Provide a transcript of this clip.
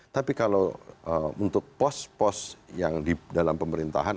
tapi kalau untuk pos pos yang di dalam pemerintahan